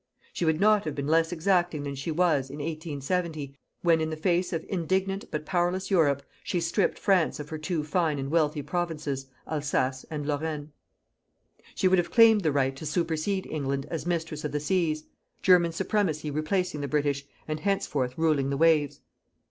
She would not have been less exacting than she was, in 1870, when in the face of indignant but powerless Europe, she stripped France of her two fine and wealthy provinces, Alsace and Lorraine. She would have claimed the right to supersede England as mistress of the seas, German supremacy replacing the British and henceforth ruling the waves.